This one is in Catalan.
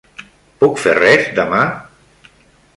Puc fer res demà?